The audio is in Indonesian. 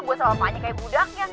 gue sama paknya kayak budaknya